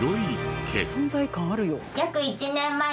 存在感あるよ。